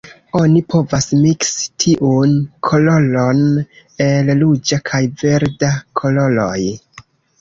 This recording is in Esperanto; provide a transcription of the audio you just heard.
Oni povas miksi tiun koloron el ruĝa kaj verda koloroj.